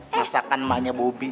masakan emaknya bobi